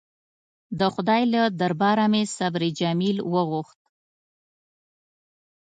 د خدای له درباره مې صبر جمیل وغوښت.